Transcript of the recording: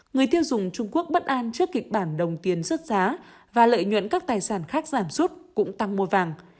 người tiêu dùng trung quốc bất an trước kịch bản đồng tiền rớt giá và lợi nhuận các tài sản khác giảm sút cũng tăng mua vàng